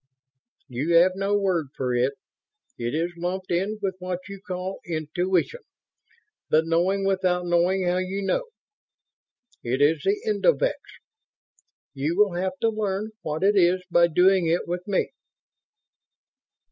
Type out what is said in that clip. "You have no word for it. It is lumped in with what you call 'intuition', the knowing without knowing how you know. It is the endovix. You will have to learn what it is by doing it with me."